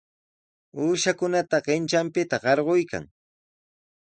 Uushakunata qintranpita qarquykan.